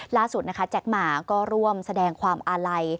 ล่าสุดนะคะแจ็คหมาก็ร่วมแสดงความอาลัย